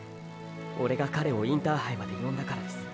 オレが彼をインターハイまで呼んだからです。